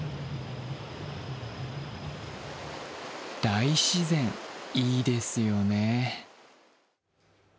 大自然、いいですよね。